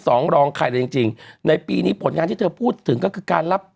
สองรองใครเลยจริงจริงในปีนี้ผลงานที่เธอพูดถึงก็คือการรับ